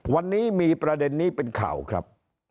วันนี้มีประเด็นนี้เป็นข่าวครับ